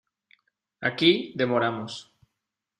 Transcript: aquí demoramos.